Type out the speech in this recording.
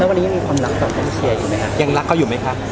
แล้ววันนี้ยังมีความรักเขาต้องเคลียร์อยู่ไหมคะ